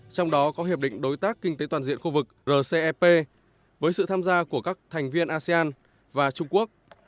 trong đó có hiệp định đối tác kinh tế toàn diện khu vực rcep với sự tham gia của các thành viên asean và trung quốc